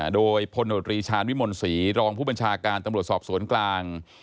โดยพลโนตรีชาญวิมลศรีรองผู้บัญชาการตำรวจสอบสวนกลาง